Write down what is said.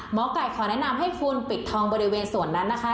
หมอไก่ขอแนะนำให้คุณปิดทองบริเวณส่วนนั้นนะคะ